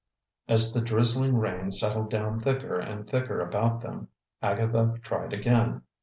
As the drizzling rain settled down thicker and thicker about them, Agatha tried again.